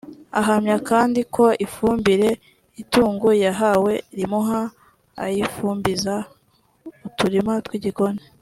Ahamya kandi ko ifumbire itungo yahawe rimuha ayifumbiza uturima tw’igikoni